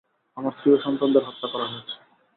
আমার স্ত্রী ও সন্তানদের হত্যা করা হয়েছে।